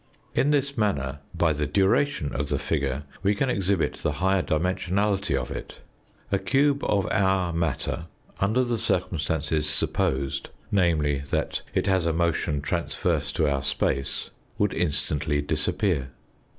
In this manner, by the duration of the figure, we can exhibit the higher dimensionality of it ; a cube of our matter, under the circumstances supposed, namely, that it has a motion transverse to our space, would instantly disappear.